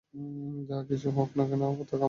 যা কিছুই হোক না কেন, পতাকা আমরাই উড়াব।